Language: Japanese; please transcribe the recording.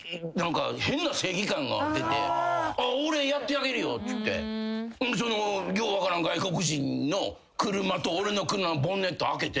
変な正義感が出て「俺やってあげるよ」ってよう分からん外国人の車と俺の車のボンネット開けて。